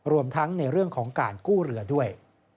รวมทั้งในเรื่องของการกู้เรือด้วย